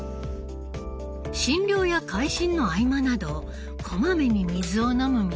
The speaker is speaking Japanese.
診療や回診の合間などこまめに水を飲む簑原さん。